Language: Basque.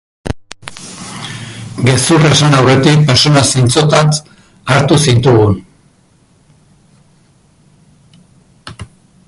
Gezurra esan aurretik pertsona zintzotzat hartu zintugun.